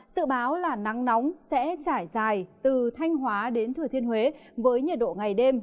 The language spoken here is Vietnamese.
sự báo là nắng nóng sẽ trải dài từ thanh hóa đến thừa thiên huế với nhiệt độ ngày đêm